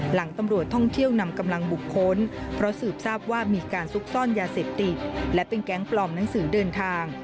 หลังตำรวจท่องเที่ยวนำกำลังบุคคลเพราะสืบทราบว่ามีการซุกซ่อนยาเสพติดและเป็นแก๊งปลอมหนังสือเดินทาง